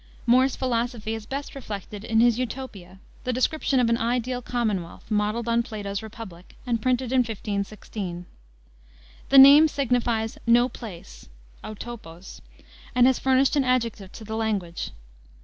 More's philosophy is best reflected in his Utopia, the description of an ideal commonwealth, modeled on Plato's Republic, and printed in 1516. The name signifies "no place" (Outopos), and has furnished an adjective to the language.